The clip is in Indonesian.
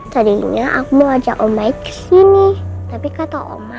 tapi besok besok boleh kan omaik ikut